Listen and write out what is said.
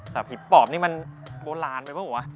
ถอบหิปปอบนี่มันโบราณไปไม่ไหววะ